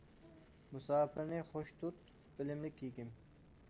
مۇساپىرنى خۇش تۇت، بىلىملىك ھېكىم.